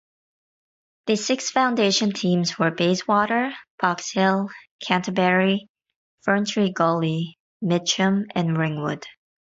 The six foundation teams were Bayswater, Box Hill, Canterbury, Ferntree Gully, Mitcham and Ringwood.